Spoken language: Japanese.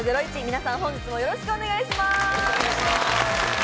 皆さん、本日もよろしくお願いします。